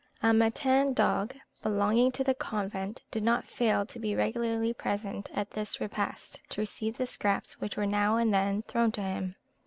A mâtin dog belonging to the convent did not fail to be regularly present at this repast, to receive the scraps which were now and then thrown to him.